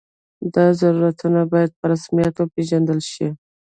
دا ضرورتونه باید په رسمیت وپېژندل شي.